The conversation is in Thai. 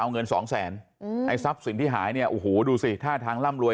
เอาเงินสองแสนไอ้ทรัพย์สินที่หายเนี่ยโอ้โหดูสิท่าทางร่ำรวย